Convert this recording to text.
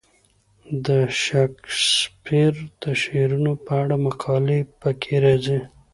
د شکسپیر د شعرونو په اړه مقالې پکې راځي.